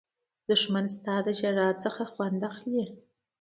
دښمن ستا له ژړا خوند اخلي